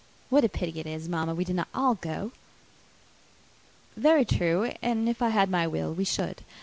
What a pity it is, mamma, we did not all go!" "Very true; and if I had my will we should.